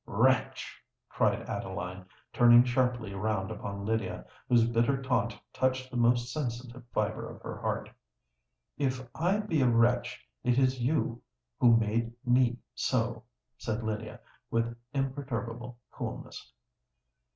"Wretch!" cried Adeline, turning sharply round upon Lydia, whose bitter taunt touched the most sensitive fibre of her heart. "If I be a wretch, it is you who made me so," said Lydia, with imperturbable coolness.